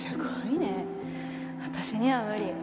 私には無理。